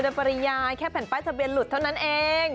แบบภายใจแค่แผ่นป้ายสาเบียนลุดเท่านั้นเอง